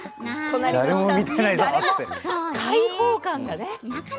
解放感がね。